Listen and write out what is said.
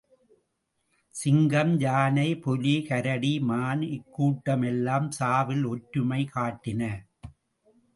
சிங்கம், யானை, புலி, கரடி, மான் இக்கூட்டம் எல்லாம் சாவில் ஒற்றுமை காட்டின.